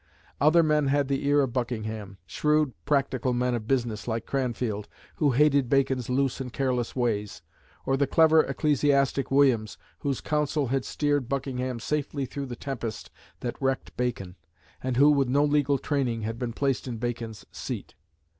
Other men had the ear of Buckingham; shrewd, practical men of business like Cranfield, who hated Bacon's loose and careless ways, or the clever ecclesiastic Williams, whose counsel had steered Buckingham safely through the tempest that wrecked Bacon, and who, with no legal training, had been placed in Bacon's seat.